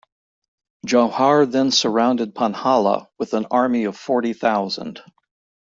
Jauhar then surrounded Panhala with an army of forty thousand.